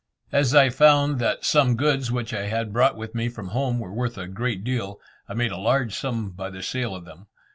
As I found that some goods which I had brought with me from home were worth a great deal, I made a large sum by the sale of them.